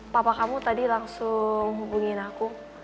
papa kamu tadi langsung hubungin aku